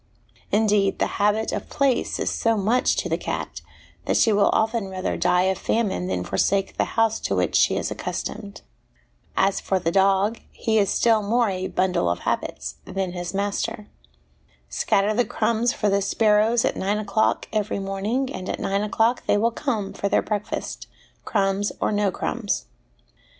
Indeed, the habit of place is so much to the cat, that she will often rather die of famine than forsake the house to which she is accustomed. As for the dog, he is still more a ' bundle of habits ' than his master. Scatter the 'HABIT IS TEN NATURES* 10? crumbs for the sparrows at nine o'clock every morn ing, and at nine o'clock they will come for their breakfast, crumbs or no crumbs.